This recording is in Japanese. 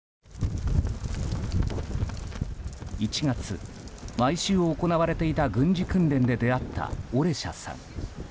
１月、毎週行われていた軍事訓練で出会ったオレシャさん。